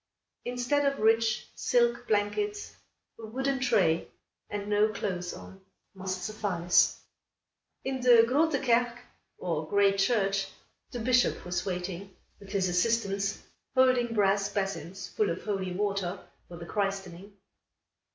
Instead of rich silk blankets a wooden tray, and no clothes on, must suffice. In the Groote Kerk, or Great Church, the Bishop was waiting, with his assistants, holding brass basins full of holy water, for the christening.